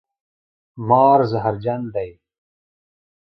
مار زهرجن دی